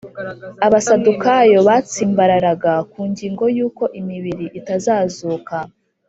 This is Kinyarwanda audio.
” Abasadukayo batsimbararaga ku ngingo yuko imibiri itazazuka